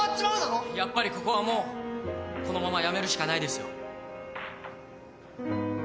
やっぱりここはもうこのままやめるしかないですよ。